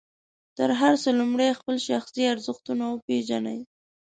تر هر څه لومړی خپل شخصي ارزښتونه وپېژنئ.